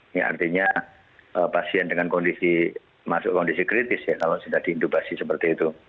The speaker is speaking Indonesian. ini artinya pasien dengan kondisi masuk kondisi kritis ya kalau sudah diindubasi seperti itu